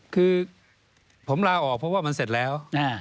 คือผมลาออกเพราะว่ามันเสร็จแล้ว